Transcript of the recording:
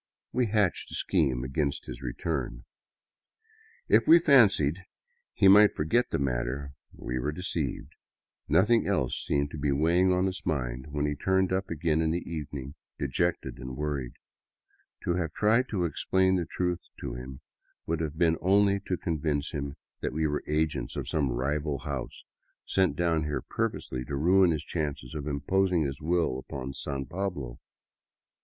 We hatched a scheme against his return. If we fancied be might 103 VAGABONDING DOWN THE ANDES forget the matter, we were deceived. Nothing else seemed to be weighing on his mind when he turned up again in the evening, dejected and worried. To have tried to explain the truth to him would have been only to convince him that we were agents of some rival house, sent down here purposely to ruin his chances of imposing his will upon San Pablo.